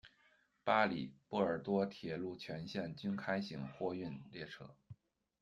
巴黎－波尔多铁路全线均开行货运列车。